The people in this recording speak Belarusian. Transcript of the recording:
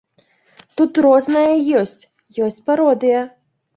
Тут рознае ёсць, ёсць пародыя.